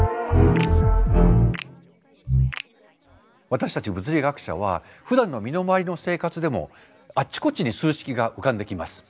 私たち物理学者はふだんの身の回りの生活でもあっちこっちに数式が浮かんできます。